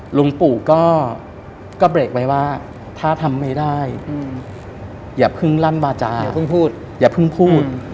หลวงปู่ก็เบรกไว้ว่าถ้าทำไม่ได้อย่าเพิ่งลั่นวาจาอย่าเพิ่งพูดอย่าเพิ่งพูด